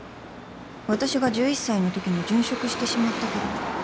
私が１１歳のときに殉職してしまったけど